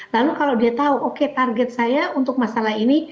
lalu kalau dia tahu oke target saya untuk masalah ini